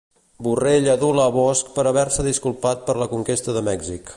Borrell adula Bosch per haver-se disculpat per la conquesta de Mèxic.